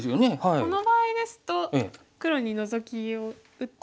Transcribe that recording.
この場合ですと黒にノゾキを打って。